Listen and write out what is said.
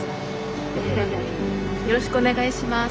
よろしくお願いします。